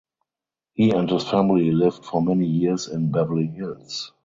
He and his family lived for many years in Beverly Hills.